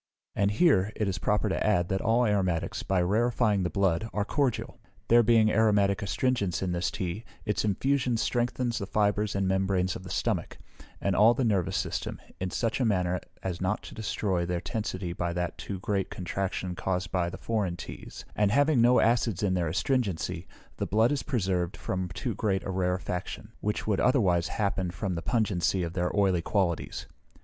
And here, it is proper to add, that all aromatics, by rarefying the blood, are cordial. There being aromatic astringents in this tea, its infusion strengthens the fibres and membranes of the stomach, and all the nervous system, in such a manner as not to destroy their tensity by that too great contraction caused by the foreign teas; and, having no acid in their astringency, the blood is preserved from too great a rarefaction, which would otherwise happen from the pungency of their oily qualities.